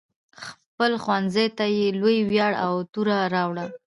خپل ښوونځي ته یې لوی ویاړ او توره راوړه.